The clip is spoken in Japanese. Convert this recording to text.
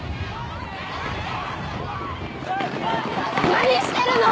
何してるの！